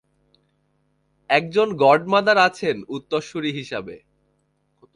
একজন গডমাদার আছেন উত্তরসূরি হিসেবে।